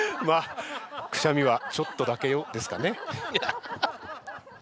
「くしゃみはちょっとだけよ」ですかね？